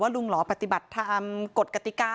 ลุงหล่อปฏิบัติตามกฎกติกา